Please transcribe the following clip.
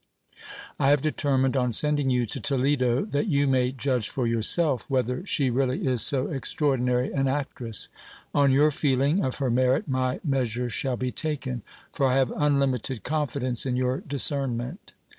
I have determined on sending you to Toledo, that you may judge for yourself whether she really is so extraordinary an actress : on your feeling of her merit my measures shall be taken; for I have unlimited confidence in your discernment.